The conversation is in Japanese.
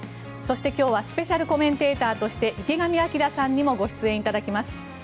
そして、今日はスペシャルコメンテーターとして池上彰さんにもご出演いただきます。